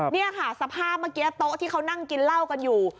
นี่ค่ะสภาพเมื่อกี้โต๊ะที่เขานั่งกินเหล้ากันอยู่